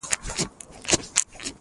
غور غوري ولسوالۍ ته راورسېدو.